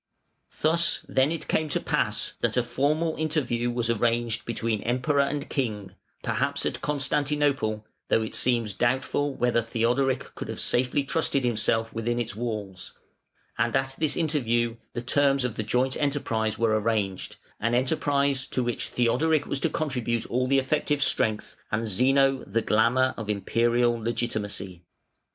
Thus then it came to pass that a formal interview was arranged between Emperor and King (perhaps at Constantinople, though it seems doubtful whether Theodoric could have safely trusted himself within its walls), and at this interview the terms of the joint enterprise were arranged, an enterprise to which Theodoric was to contribute all the effective strength and Zeno the glamour of Imperial legitimacy.